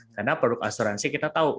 karena produk asuransi kita tahu